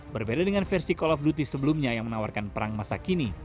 berbeda dengan versi call of duty sebelumnya yang menawarkan perang masa kini